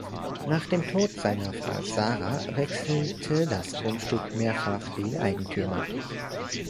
Nach dem Tod seiner Frau Sarah wechselte das Grundstück mehrfach den Eigentümer.